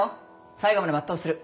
最後まで全うする。